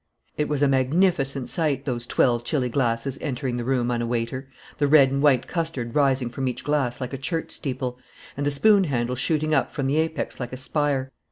It was a magnificent sight, those twelve chilly glasses entering the room on a waiter, the red and white custard rising from each glass like a church steeple, and the spoon handle shooting up from the apex like a spire.